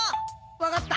わかった。